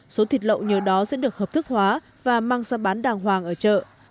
số thịt lậu như đó sẽ được hợp thức hóa và mang ra bán đàng hoàng ở chợ